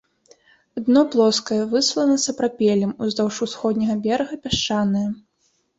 Дно плоскае, выслана сапрапелем, уздоўж усходняга берага пясчанае.